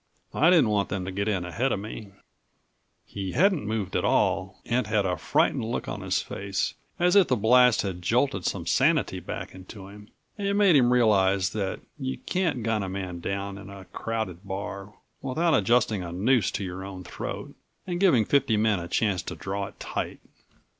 I didn't want them to get to him ahead of me. He hadn't moved at all and had a frightened look on his face, as if the blast had jolted some sanity back into him and made him realize that you can't gun a man down in a crowded bar without adjusting a noose to your own throat and giving fifty men a chance to draw it tight.